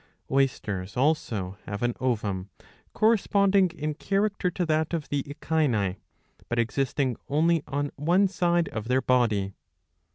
Oysters also have an ovum, corresponding in character to that of the Echini, but existing only on one side of their body.